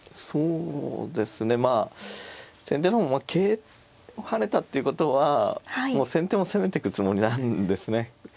そうですねまあ先手の方も桂跳ねたっていうことはもう先手も攻めてくつもりなんですね。